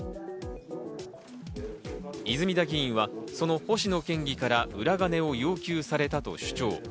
泉田議員はその星野県議から裏金を要求されたと主張。